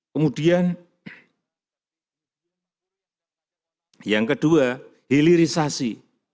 kemudian yang kedua hilirisasi